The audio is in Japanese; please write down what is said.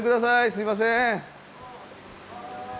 すいません！